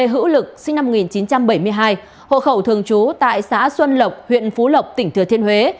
hội khẩu thường trú tại xã xuân lộc huyện phú lộc tỉnh thừa thiên huế